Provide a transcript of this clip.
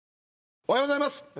おはようございます。